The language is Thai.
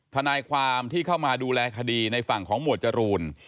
ทนายความที่เข้ามาดูแลคดีในฝั่งของหมวดจรูน